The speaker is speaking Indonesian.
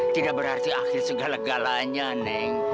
tidak berarti akhir segala galanya neng